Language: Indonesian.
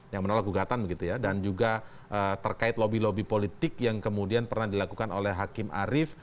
yang menolak gugatan begitu ya dan juga terkait lobby lobby politik yang kemudian pernah dilakukan oleh hakim arief